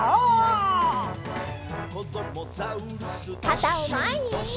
かたをまえに！